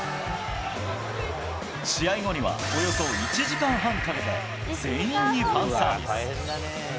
試合後には、およそ１時間半かけ、全員にファンサービス。